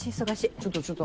ちょっとちょっと。